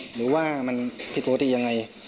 หรือว่ามันผิดปกติยังไง